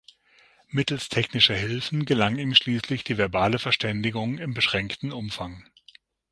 Mittels technischer Hilfen gelang ihm schließlich die verbale Verständigung im beschränkten Umfang.